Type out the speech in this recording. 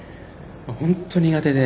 本当苦手で。